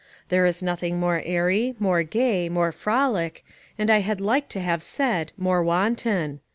There is nothing more airy, more gay, more frolic, and I had like to have said, more wanton.